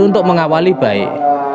untuk mengawali baik